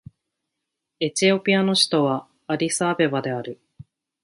エチオピアの首都はアディスアベバである